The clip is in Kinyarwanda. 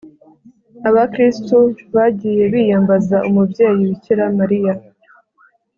abakristu bagiye biyambaza umubyeyi bikira mariya,